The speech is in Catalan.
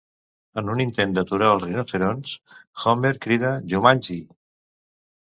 En un intent d'aturar els rinoceronts, Homer crida Jumanji!